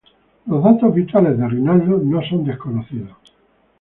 Los datos vitales de Rinaldo nos son desconocidos.